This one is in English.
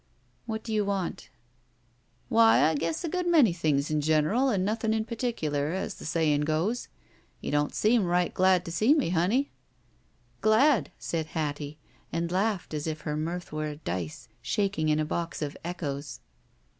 What do you want ?" Why, I guess a good many things in general and nothing in particular, as the sayin' goes. You don't seem right glad to see me, honey/* "Glad!" said Hattie, and laughed as if her mirth were a dice shaking in a box of echoes.